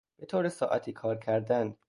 به طور ساعتی کار کردن